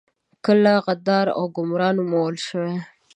کله غدار او ګمرا نومول شوي.